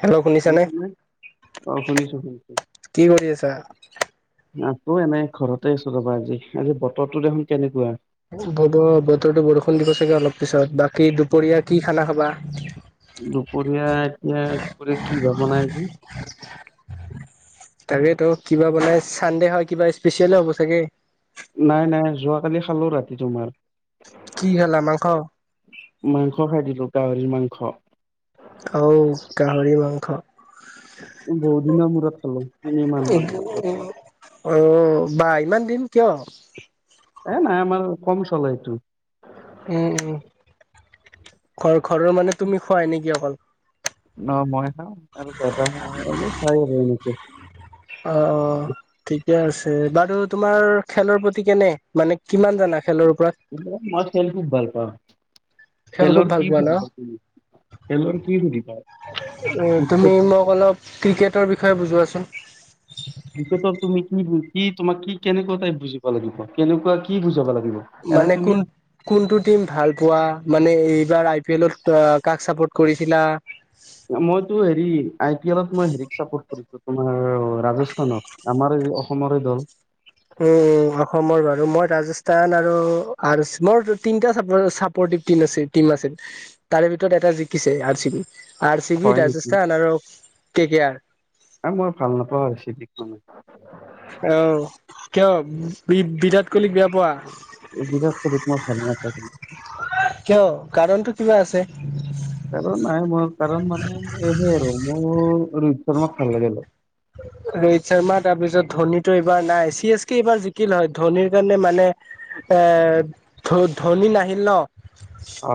Hello শুনিছানে অ শুনিছোঁ [unintelligible] কি কৰি আছা? আজি আজি বতৰটো দেখোন কেনেকুৱা। [unintelligible] বতৰ টো বৰষুণ দিব চাগে অলপ পিছত কি দুপৰীয়া কি খানা খাবা? [inaudible] দুপৰীয়া এতিয়া দুপৰীয়া কি ভাৱনা [unintelligible] তাকেই তো কিবা বানে চানডে হয় কিবা স্পেচিয়েল হ'ব চাগে। [unintelligible] নাই নাই যোৱাকালি খালো ৰাতি তোমাৰ। কি খালা মাংস? গহৰী মাংস। আ গাহৰি মাংস। বহু দিনৰ মূৰত। উম [unintelligible] অ বাই। ইমান দিন কিয়? এ নাই আমাৰ কম চলেটো। [unintelligible] উম', উম, ঘৰ ঘৰৰ মানে তুমি খুৱাই নেকি অকল [unintelligible] অ মই খাওঁ [unintelligible] [inaudible] অ অ ঠিকে আছে বাৰু তোমাৰ খেলৰ প্ৰতি কেনে মানে কিমান জানা খেলৰ কিন্তু মই ওপৰত খেল খুব ভাল পাওঁ। খেল খুব খেলৰ ভাল কি পোৱা ন? খেলৰ কি বুলি কম তুমি [unintelligible] মোক অলপ ক্ৰিকেটৰ বিষয়ে বুজোৱাচোন? [unintelligible] কেনেকুৱা টাইপ বুজিব লাগিব কেনেকুৱা কি বুজাব লাগিব। [unintelligible] এনে মানে তুমি কোন, কোনটো টিম ভাল পোৱা মানে এইবাৰ আই পি এলত কাক চাপোৰ্ট কৰিছিলা মইতো হেৰি আই পি এলত মই হেৰিক চাপৰ্ট কৰিছো তোমাৰ ৰাজস্থানত আমাৰ অসমৰে দল। [unintelligible] উ অসমৰ বাৰু মই ৰাজস্থান আৰু আৰ চি মোৰ তিনটা চাপৰ্টিভ ট আ টিম আছিল তাৰে ভিতৰত এটা জিকিছে R C B. [unintelligible] R C B, হয় নেকি ৰাজস্থান আৰু কে কে আৰাৰ। আৰু মই ভাল নাপাওঁ আৰু চিভিক মানে [unintelligible] অ কিয়? বি বিৰাট কোহলীক বেয়া পোৱা, বিৰাট কোহলিক মই ভাল নাপাওঁ কিন্তু। কিয় কাৰণটো? কিবা আছে কাৰণ নাই মোৰ কাৰণ মানে সে আৰু মোৰ ৰোহিত শৰ্মাক ভাল লাগে অলপ ৰোহিত শৰ্মা তাৰপিছত ধোনিটো এইবাৰ নাই চি এছ কে এইবাৰ জিকিল হয় ধনিৰ কাৰণে মানে এ ধ ধনি নাহিল ন অ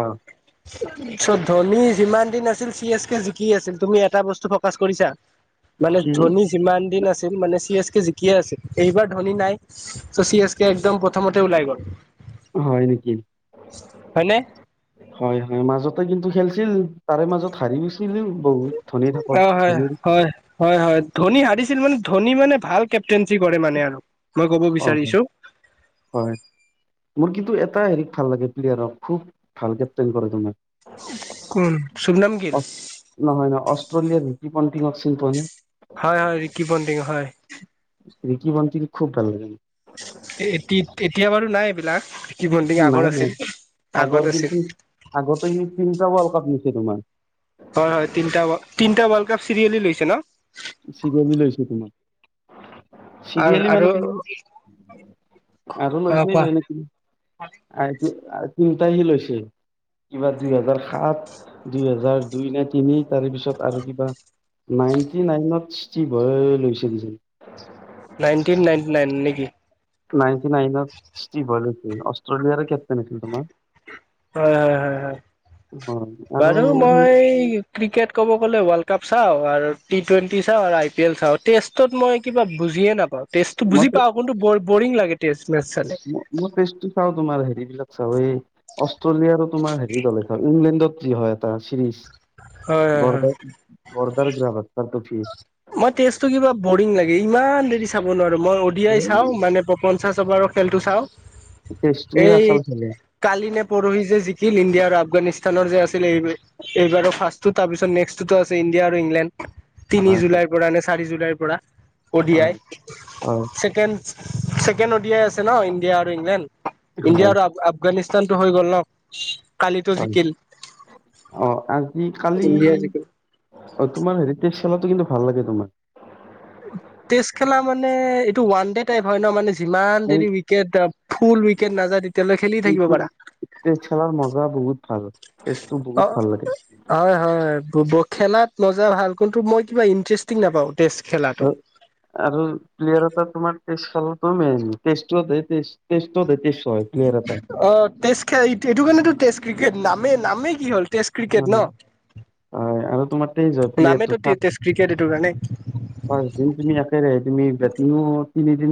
চ ধনি যিমান দিন আছিল চি এছ কে জিকি আছিল তুমি এটা বস্তু ফকাচ কৰিছা মানে কি ধনি যিমান দিন আছিল মানে চি এচ জিকিয়ে আছিল এইবাৰ ধনি নাই চ' চি এচ কে একদম প্ৰথমতে ওলাই গ'ল হয় নেকি হয়নে হয় হয় মাজতে কিন্তু খেলছিল তাৰে মাজত হাৰি গৈছিল অ হয় হয় হয় হয় ধনি হাৰিছিল মানে ধনি মানে ভালকে কেপ্তেইনচি কৰে মানে আৰু মই ক'ব অ হয় বিচাৰিছো হয় মোৰ কিন্তু এটা হেৰি ভাল লাগে প্লেয়াৰক খুব ভাল কেপ্টেইন কৰে তোমাৰ কোন চুবনাম গিল কি পণ্টিংক চিনি পোৱানে হয় হয় ৰিকি পণ্টিং হয় ৰিকি পণ্টিং খুব ভাল লাগে এ এতি এতিয়া বাৰু নাই এইবিলাক ৰিকি পণ্টিং আগত নাই নাই আছিল আগত আগৰ আছিল কিন্তু আগতে সেই ফিফা ৱৰ্ল্ড কাপ তোমাৰ হয় হয় তিনিটা তিনিটা ৱৰ্ল্ড কাপ চিৰিয়েলি লৈছে ন চিৰিয়েলি লৈছে তোমাক আৰু চিৰিয়েলি আৰু মানে তুমি আৰু অ লৈছে কোৱা আ আ তিনিটা সি লৈছিল কিবা দুই হেজাৰ সাত দুই হেজাৰ দুই নে তিনি তাৰে পিছত আৰু কিবা নাইন নায়েনত ইচটিবয় লৈছিল নাইনটিন নাইনটি নাইন নেকি নাইনটি নাইনত ষ্টিভয়েল আছিল অষ্ট্ৰেলিয়াৰ কেপটেইন আছিল তোমাৰ হয় হয় হয় হয় হয় আৰু বাৰু সেই মই ক্ৰিকেট ক'ব গ'লে ৱৰ্ল্ড কাপ চাওঁ আৰু টি টুৱেণ্টি চাওঁ আৰু আই পি এল চাওঁ টেষ্টত মই কিবা বুজিয়ে নাপাওঁ টেষ্ট টো বুজি পাওঁ কোনটো বৰ বৰিং লাগে টেষ্ট মেচ চালে। ম মই তেষ্টি চাও তোমাৰ হেৰিবিলাক চব এই অষ্ট্ৰেলিয়াৰো তোমাৰ হেৰি দলেখন ইংলেণ্ডত যি হয় এটা চিৰিজ হয় হয় হয়। বৰদাৰ বৰদাৰ গ্ৰামস্থটো ফি মই তেজটো কিবা বৰিং লাগে ইমান দেৰি চাব নোৱাৰো মই উডিয়াই চাওঁ এই মানে পঞ্চাশ চব আৰু খেলটো চাওঁ টেষ্টটোৱে এই আচল খেলে কালি নে পৰহি যে শিল ইণ্ডিয়া আফগানিষ্ঠানৰ যে আছিল এই এইবাৰ ফাৰ্ষ্টটো তাৰপিছত নেক্সটটোতো আছে ইণ্ডিয়া আৰু ইংলেণ্ড তিনি হয় হয় জুলাই পৰা নে চাৰি জুলাইৰ পৰা অডিয়াই হয় হয় ছেকেণ্ড ছেকেণ্ড অডিয়াই আছে ন ইণ্ডিয়া আৰু ইংলেণ্ড ইণ্ডিয় হয় আৰু আফগানিস্তান হৈ গ'ল ন কালিতো হয় জিকিল অ আজি কালি ইণ্ডিয়া জিকিল। অ তোমাৰ হেৰি খেলাটো কিন্তু ভাল লাগে তোমাৰ টেষ্ট খেলা মানে এইটো ওৱান দে টাইপ হয় ন মানে যিমান এই দেৰি উইকেট ফুল উইকেট নাযায় তেতিয়ালৈ খেলি থাকিব কিন্তু পাৰা টেষ্ট খেলাৰ মজা বহুত ভাল টেষ্টটো অ বহুত ভাল লাগে হয় হয় ব খেলাত মজা ভাল কিন্তু মই কিবা ইণ্টাৰেষ্টিং নাপাওঁ টেষ্ট খেলাটো। আৰু আৰু প্লেয়াৰ এটা তোমাৰ টেষ্ট খেল [inaudible] অ টেষ্ট খেল এইটো কাৰানে টো টেষ্ট ক্ৰিকেট নামে নামেই কি হল টেষ্ট ক্ৰিকেট ন। হয় আৰু তোমাৰ [unintelligible] তিনিদিন নামেতো টেষ্ট ক্ৰিকেট এইটো কাৰণে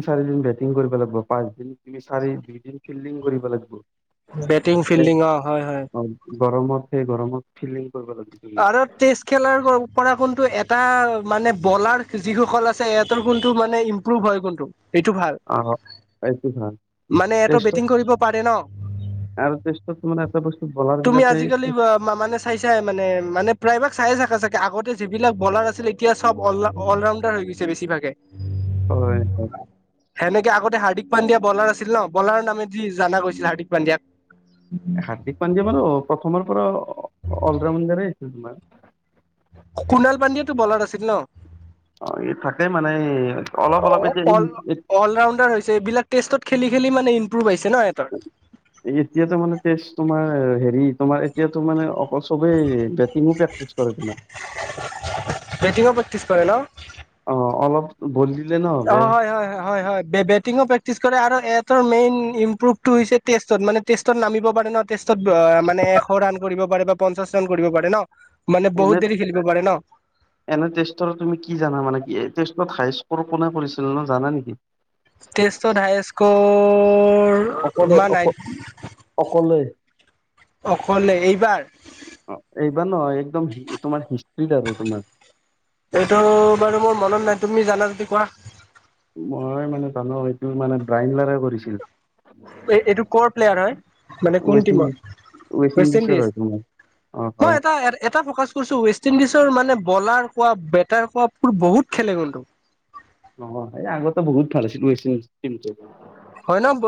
চাৰিদিন বেটিং কৰিব লাগিব পাঁচদিন তুমি চাৰি দুইদিন ফিল্ডিং কৰিব লাগিব বেটিং এ- ফিল্ডিং অ হয় হয় অ গৰমত স গৰমত ফিল্ডিং কৰিব লাগিব তুমি আৰু টেষ্ট খেলাৰ পৰা কোনটো এটা মানে বলাৰ যিসকল আছে হেহেটৰ কোনটো মানে ইম্প্ৰুভ হয় কোনটো এইটো ভাল আহ এইটো ভাল মানে এটো টেষ্টত বেটিং কৰিব পাৰে ন আৰু টেষ্টত মানে এটা বস্তু বলাৰ তুমি বিলাকে আজিকালি মানে চাই চাই মানে প্ৰায়ভাগ চাই চাকে চাগে আগতে যিবিলাক বলাৰ আছিল এতিয়া চবল অলৰাণ্ডাৰ হৈ গছে বেছিভাগে হয় হয় সেনেকে আগতে হাৰ্দিক পাণ্ডো বলাৰ আছিল ন বলাৰৰ নামে যি জনা গৈছিল হাৰ্দিক পাণ্ডেক হাৰ্দিক পণ্ডিয়াৰোঁ প্ৰথমৰ পৰা অলৰাউণ্ডাৰে ধবাৰ কুণাল পন্দিয়াও টো বলাৰ আছিল ন অ ই থাকে মানে অলপ অলপ এ অল যে অলৰাউণ্ডাৰ হৈছে এইবিলাক টেষ্টত খেল খেলি মানে ইম্প্ৰোভ আহিছে ন সিহঁতৰ এতিয়াতো মানে তেজ তোমাৰ হেৰি তোমাৰ এতিয়াতো মানে অকল চবেই বেটিং প্ৰেক্টিচ কৰে তোমাৰ প্ৰেকতিছ কৰা ন অ অলপ ভলি অ হয় হয় হয় হয় হয় বেটিঙৰ প্ৰকতিছ ছ আৰু এটৰ মেইন ইম্প্ৰুভটো হৈছে টেষ্টত মানে টেষ্টত নামিব পাৰে ন টেষ্টত মানে এশ ৰাণ কৰিব পাৰে বা পঞ্চাশ ৰাণ কৰিব পাৰে ন মানে বহুত এনে দেৰি খেলিব পাৰে ন এনে টেষ্টৰ তুমি কি জানা মানে কি ষ্টত হাইষ্ট কল কোনে কৰিছিলে ন জানে নেকি তেজ ধাই স্ক অকলে অক অকলে অকলে এইবাৰ অ এইবাৰ নহ একদম তোমাৰ হিষ্টষ্ট্ৰি দ আৰু তোমাৰ এইটো বাৰু মোৰ মনত নাই তুমি জানা যদি কোৱা মই মানে জানো এইটো মানে ব্ৰাইমলাৰ কৰিছিল এইটো কৰ প্লেয়াৰ হয় মানে কোন ৱেষ্ট ইণ্ডিজ টিমৰ ৱেষ্ট ইণ্ডিজৰ ইণ্ডিজ হয় তোমাৰ অ' মই হয়। এটা এটা ফকাচ কৰিছো ৱেষ্ট ৱেষ্ট ইণ্ডিজৰ মানে বলাৰ কোৱা বেটাৰ কোৱাোৰ বহুত খেলে কিন্তধু অহ এই আগততে বহত ভালছিলছিল হয় নহ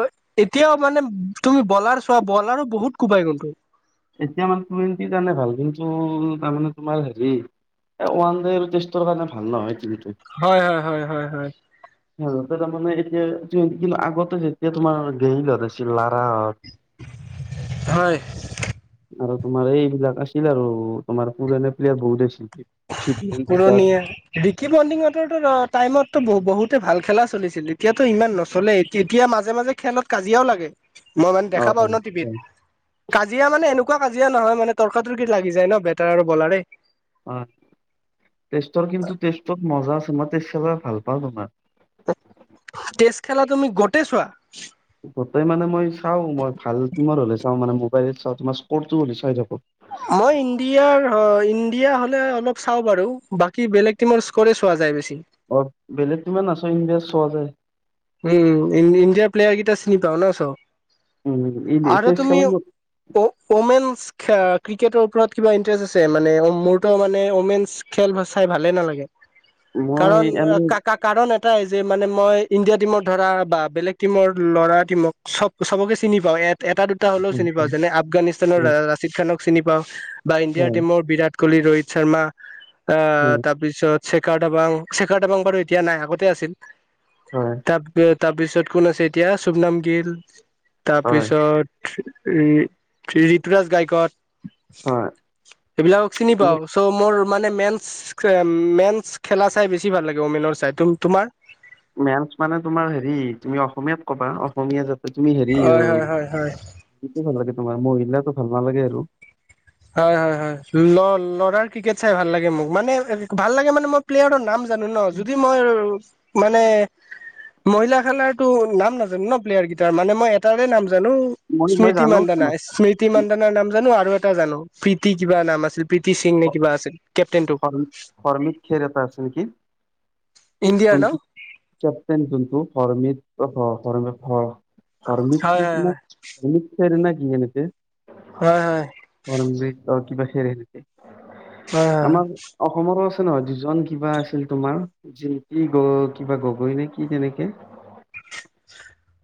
এতিয়াও মানে তুমি বলাৰ চোৱা বলাৰো বহুত কোবাই কন্তটো এতিয়া মানে টুৱেন্টিৰ কাৰণে ভাল কিন্তু তাৰমানে তোমাৰ হেৰি ওৱান েৰ কাৰণে ভাল নহয় হয় হয় হয় যেম কিন্তু আগতে যেতিয়া তোমাৰ গেৰি হতে হয় আৰু তোমাৰ এইবিলাক আছিল আৰু তোমাৰ পুৰণা প্লেয়াৰ বহুত আছিল ভিভিয়েন পুৰণীয়া বিকি পডিঙতৰো টাইমতো বহুত ভাল খেলা চলিছিল এতিয়াতো ইমান নচলে এতিয়া মাজে মাজে খেলত কাজিয়াও লাগে মই মানে দেখা পাওঁ ন অ'। টিভিত। কাজিয়া মানে এনেকুৱা কোৱা কাজিয়া নহয় মানে তৰ্কা তৰ্কিত লাগি যায় ন বেটাৰ আৰু বলাৰে। ওম। তেষ্টৰ কিন্তু তেষ্টত মজা আছ। তুমাতে চলা ভাল পাওঁ তোমাক। টেষ্ট খেলা তুমি গোটেই চোৱা। গতেই মানে মই চাওঁ মই ভাল টিমৰ হ'লে চাওঁ মানে মোবাইলত চাও তোমাৰ স্কৰটো বিচাৰি থাকোঁ। মই ইণ্ডিয়াৰ হয়, ইণ্ডিয়া হ'লে অলপ চা বাৰু বেলেগ টিমৰ স্কৰ চোৱা যায় বেছি। অ বেলেগ তোমাৰ নাছ ই- ততে উম ইণ্ডিয়াৰ প্লেয়াৰ কেইটা চিনি পাওঁ ন চ। উম, আৰু টেষ্ট তুমি খেলা ঔ ঔমেনছ খা ক্ৰিকেটৰ ওপৰত কিবা ইণ্টাৰেষ্ট আছে মানে মোৰতো মানে ঔমেনছ খেল চাই ভালেই নালাগে। মই কাৰণ এনে কা কা কাৰণ এট- টাই যে মানে মই। ইণ্ডিয়া টিমৰ ধৰা বা বেলেগ টিমৰ ল'ৰা টিমক চব চবকে চিনি পাওঁ এ এটা দুটা হলেও হয় চিনি পাওঁ যেনে আফগানিস্তানৰ ৰাছিদ খানক। চিনি পাওঁ। বা ইণ্ডিয়াৰ হয় টিমৰ বিৰাট। কহলি, ৰোহিত শৰ্মা। অ হয় তাৰপিছত চেখাৰ দাবাং চেখাৰ দাবাং বাৰু এতিয়া নাই আগতে আছিল। হয়। তা পিয়দ তাৰপিছত কোন আছে এতিয়া শুবনাম গিল। হয়। তাৰপিছত ঠি ঋ ঋতুৰাজ গায়কত হয় সেইবিলাকক চিনি মোৰ পাও চ' মোৰ মানে মেন্স মেন্স খেলা চাই বেছি ভাল লাগে। ঔমেনৰ চাই তুম তোমাৰ? মেনছ মানে তোমাৰ হেৰি তুমি অসমীয়াত কবা অসমীয়া যাত তুমি হেৰি হয় অ হয় হয় হয় তোমাৰ মহিলাটো ভাল নালাগে আৰু। হয় হয় হয় ল ল'ৰাৰ ক্ৰিকেট চাই ভাল লাগে মোক মানে ভাল লাগে মানে মই প্লেয়াৰৰ নাম। জানো ন যদি মই মানে মহিলা খেলাৰ তো নাম নাজানো ন প্লেয়াৰ কেইটাৰ মানে মই এটাৰে নাম, জানো মই মই স্মৃতি জানো মান্দানা তোমাৰ স্মৃতি মান্দানাৰ নাম জানো আ জানো প্ৰীতি কিবা নাম আছিল। প্ৰীতি সিং নে কিবা আছিল। কেপ্টেইনটো শৰ্মিত খেৰ এটা আছে নেকি? ইণ্ডিয়াৰ ত ন কেপটন তো ফৰ্মে অ! চ হয় হয় ন! নক! ম হয় হয় হয় হয় কি বছ চে নক হয় হয় আমাৰ অসমৰো নহয় দুজন কিবা আছিল তোমাৰ কি গ কিবা গগৈ নে কি তেনেকে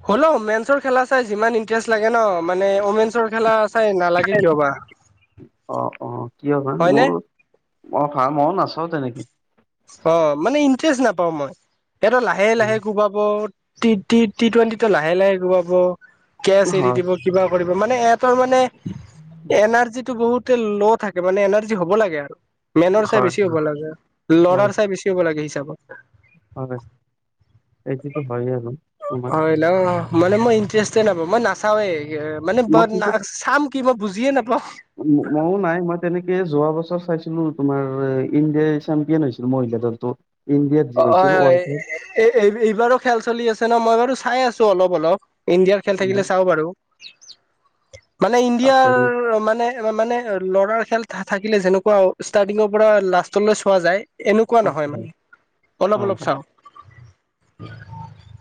হ'ল মেনচৰ খেলা চাই যিমান ইণ্টাৰেষ্ট লাগে ন মানে মেনৰ খেলা। চাই নালাগে কিয় বা অ অ কিয় ভ হয়নে মোৰ মই ভাল মই নাচাও তেনেকে অ মানে ইণ্টাৰেষ্ট নাপাওঁ মই। এইাতটো লাহে লাহে উম, ঘোবাব টি ট টি টুৱেণ্টি টো লাহে লাহে গোৱাব। কেছ এৰি হয়, দিব কিবা কৰিব মানে এ ত মানে এনাৰ্জি টো বহুত। ল' থাকে মানে এনাৰ্জি হ'ব লাগে আৰু মেনৰ চাই হয়, বেছি হ'ব লাগে। হয়, লৰাৰ চাই বেছিব'াগে। াগে হিচাপত হয়। এইটোতো হয় আৰু তোমাৰ। হয় ন মানে মই ইণ্টাৰেষ্টে নাপাওঁ মই নাচাৱেই মানে চাম কিব, বুজে নাপ মইো নাই মই তেনেকে যোৱা বছৰ চাইছিলো। তোমাৰ ইণ্ডিয়াৰ চেম্পিয়ন হৈছিল মহিলা দলটো ইণ্ডিয়াত যি অ হৈছিল হয় ৱৰ্ল্ড হয় কাপ এই এই এইবাৰো খেল চলি আছে ন মই বাৰু চাই আছো অলপ অলপ, ইণ্ডিয়াৰ খেল মই থাকিলে চাওঁ বাৰু মানে তাতে হয়, ইণ্ডিয়াৰ মানে-মানে ল'ৰাৰ খেল থা-থাকিলে যেনেকুৱা ষ্টাৰ্টিঙৰ পৰা লাষ্টলৈ চোৱা যায় এনেকুৱা নহয় মানে। অলপ হয়। অলপ হয়। চাওঁ। [unintelligible]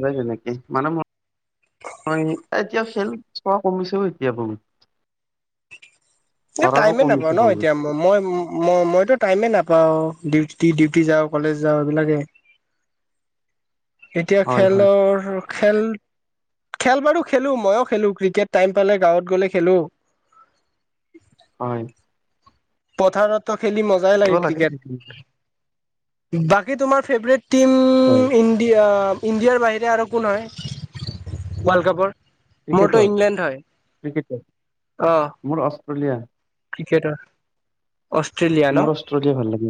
[unintelligible] মানে ম [unintelligible] এতিয়া খেল চোৱা কমিছেও, এতিয়া বহত। এ টাইমে নাপাওঁ ন বহুত এতিয়া, ম-মই-মইতো টাইমে নাপ অ', ডিউ-ডিউটি যাওঁ কলেজ যাওঁ এইবিলাকে। এতিয়া হয়, হয়, খেলৰ খেল খেল বাৰু খেলো মইওঁ খেলো ক্ৰিকেট, টাইম পালে গাঁৱত গলে খেলো। [unintelligible] পথাৰত ত খেলি মজাই লাগে ক্ৰিকেট। বাকী তোমাৰ ফেভৰেট টিম হয় ইণ্ডিয়া ইণ্ডিয়াৰ বাহিৰে আৰু কোন হয় ৱৰ্ল্ড কাপৰ? ক্ৰিকেটত মোৰটো ইংলেণ্ড হয়, অহ। পুুলিয়া ক্ৰিকেটৰ অষ্ট্ৰেলিয়া মোৰ অষ্ট্ৰেলিয়া ভাল লাগে।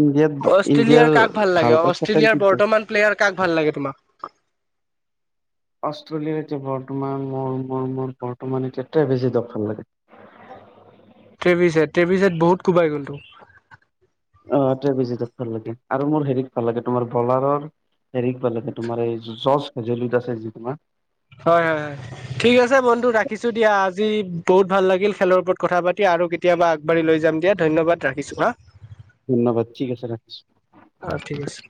ইণ্ডিয়াত ইণ্ডিয়াৰ অষ্ট্ৰেলিয়াৰ কাক ভাল লাগে? পাই ছেকেণ্ড অষ্ট্ৰেলিয়াৰ কিন্তু বৰ্তমান প্লেয়াৰ কাক ভাল লাগে তোমাক? অষ্ট্ৰেলিয়াৰ এতিয়া বৰ্তমান মোৰ মোৰ মোৰ বৰ্তমান এতিয়াটাই বেছি দখ ভাল লাগে ট্ৰেভিছাইড, ট্ৰেভিছাইড বহুত কোবাই গ'লতো। অ ট্ৰেভেজিডক ভাল লাগে আৰু মোৰ হেৰিত ভাল লাগে তোমাৰ বলাৰৰ হেৰিক পালে তোমাৰ য'য জলিত আছোই যি তোমাৰ হয়, হয়, হয় ঠিক আছে মনটো ৰাখিছো দিয়া আজি বহুত ভাল লাগিল খেলৰ ওপৰত কথা পাতি আৰু কেতিয়াবা আগবাঢি লৈ যাম দিয়া ধন্যবাদ ৰাখিছো হা। ধন্যবাদ ঠিক আছে ৰাখিছোঁ। অ ঠিক আছে